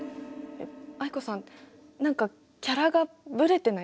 藍子さん何かキャラがぶれてない？